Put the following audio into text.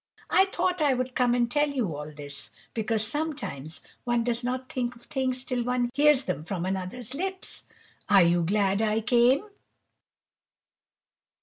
I thought I would come and tell you all this, because sometimes one does not think of things till one hears them from another's lips. Are you glad I came?